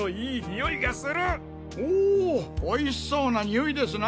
おお美味しそうな匂いですな。